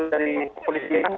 dari polis yang